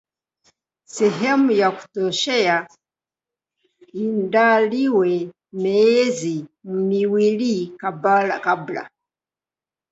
sehemu ya kuoteshea iandaliwe miezi miwili kabla.